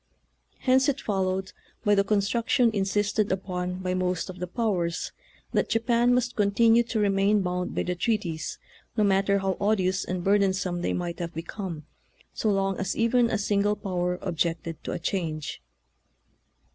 Hence it followed, by the construction insisted upon by most of the powers, that Japan must continue to remain bound by the treaties, no matter how odious and burdensome they might have become, so long as even a single power objected to a change.